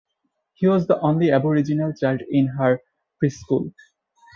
She was the only Aboriginal child in her preschool.